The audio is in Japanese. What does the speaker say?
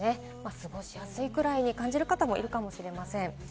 過ごしやすいくらいに感じる方もいるかもしれません。